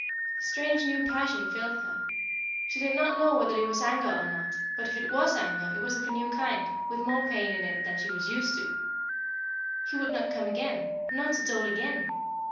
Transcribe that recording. A strange new passion filled her. She did not know whether it was anger or not, but if it was anger it was of a new kind, with more pain in it than she was used to. He would not come again not at all again!